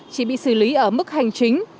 chỉ bị xử lý ở mức hành chính